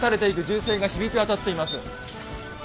銃声が響き渡っています。